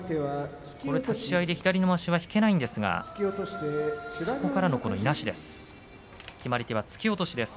立ち合いで左のまわしを引けないんですがそこからのいなしです。